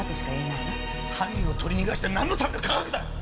犯人を取り逃がしてなんのための科学だ！